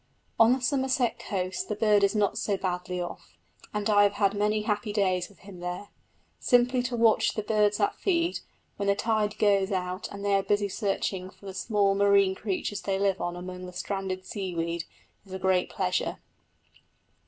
On the Somerset coast the bird is not so badly off, and I have had many happy days with him there. Simply to watch the birds at feed, when the tide goes out and they are busy searching for the small marine creatures they live on among the stranded seaweed, is a great pleasure.